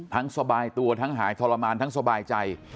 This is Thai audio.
สบายตัวทั้งหายทรมานทั้งสบายใจ